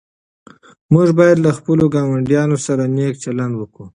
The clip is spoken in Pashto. موږ باید له خپلو ګاونډیانو سره نېک چلند وکړو.